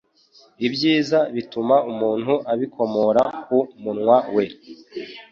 Ibyiza bitunga umuntu abikomora ku munwa we